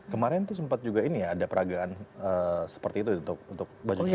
kemarin tuh sempet juga ini ya ada peragaan seperti itu untuk bajo gimana ya